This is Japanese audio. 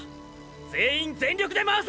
全員全力で回せ！！